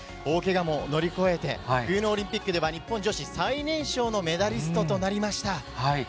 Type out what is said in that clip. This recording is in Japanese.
大けがも乗り越えて、冬のオリンピックでは日本女子最年少のメダリストとなりました。